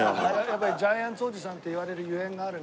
やっぱりジャイアンツおじさんって言われるゆえんがあるね。